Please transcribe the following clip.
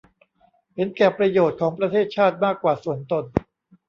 เห็นแก่ประโยชน์ของประเทศชาติมากกว่าส่วนตน